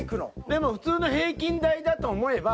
でも普通の平均台だと思えば。